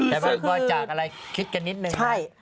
แต่ไปบริจาคอะไรคิดกันนิดนึงนะ